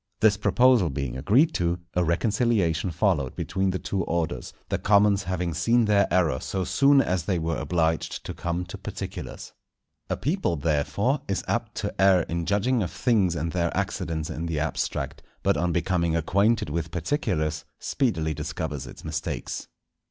This proposal being agreed to, a reconciliation followed between the two orders; the commons having seen their error so soon as they were obliged to come to particulars. A people therefore is apt to err in judging of things and their accidents in the abstract, but on becoming acquainted with particulars, speedily discovers its mistakes.